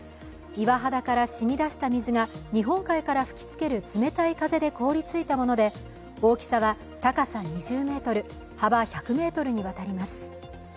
岩肌からしみ出した水が日本海から吹きつける冷たい風で凍りついたもので大きさは、高さ２０ｍ、幅１００ｍに渡ります。